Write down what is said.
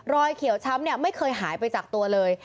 รอยเขียวช้ำไม่เคยหายไปจากตัวเลย